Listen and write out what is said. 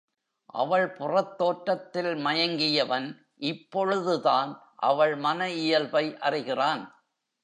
அவள் புறத் தோற்றத்தில் மயங்கியவன் இப்பொழுதுதான் அவள் மன இயல்பை அறிகிறான்.